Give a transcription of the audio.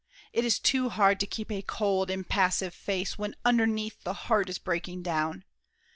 It is too hard to keep a cold, impassive face When underneath the heart is breaking down.